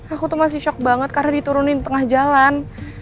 aku tuh masih shock banget karena diturunin di tengah jalan